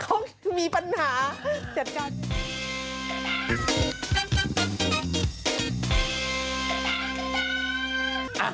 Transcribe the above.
เขาไม่ได้พักเขามีปัญหา